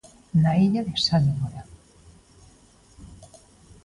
Na illa de Sálvora.